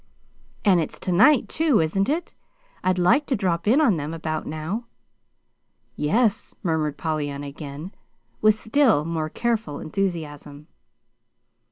"And it's to night, too, isn't it? I'd like to drop in on them about now." "Yes," murmured Pollyanna again, with still more careful enthusiasm.